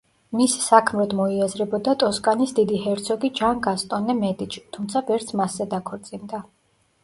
მის საქმროდ მოიაზრებოდა ტოსკანის დიდი ჰერცოგი ჯან გასტონე მედიჩი, თუმცა ვერც მასზე დაქორწინდა.